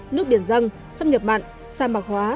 đất ấm lên nước biển răng sông nhập mặn sa mạc hóa